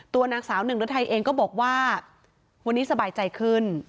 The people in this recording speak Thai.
นางสาวหนึ่งฤทัยเองก็บอกว่าวันนี้สบายใจขึ้น